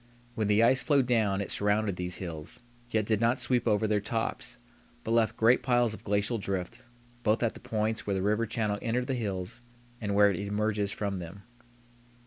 When the ice flowed down it surrounded these hills, yet did not sweep over their tops, but left great piles of glacial drift, both at the points where the river channel entered the hills and where it emerges from them.